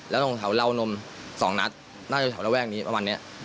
แล้วต้องเฉาเหล้านมสองนัดน่าจะเฉาเล่าแว่งนี้ประมาณเนี้ย